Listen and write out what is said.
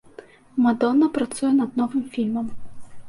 Мадонна працуе над новым фільмам.